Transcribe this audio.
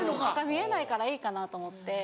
見えないからいいかなと思って。